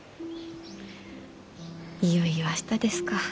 いよいよ明日ですか。